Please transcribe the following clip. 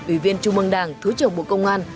ủy viên trung mương đảng thứ trưởng bộ công an